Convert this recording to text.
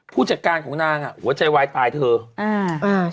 ผู้จัดการของนางอะหัวใจไวตายเถอะ